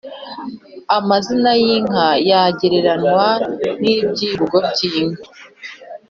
amazina y’inka yagereranywa n’ibyivugo by’inka